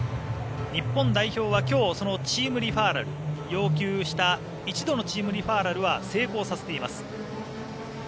日本代表は今日、そのチームリファーラル要求した一度のチームリファーラルは成功させています。